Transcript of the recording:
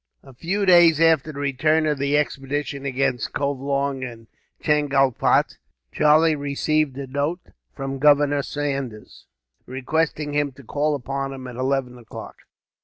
A few days after the return of the expedition against Covelong and Chengalpatt, Charlie received a note from Governor Saunders, requesting him to call upon him at eleven o'clock.